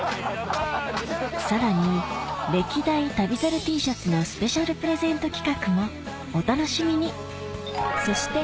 さらに歴代旅猿Ｔシャツのスペシャルプレゼント企画もお楽しみにそして